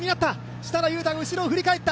設楽悠太が後ろを振り返った。